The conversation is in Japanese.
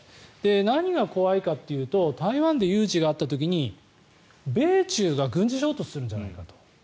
何が怖いかというと台湾で有事があった時に米中が軍事衝突するんじゃないかと。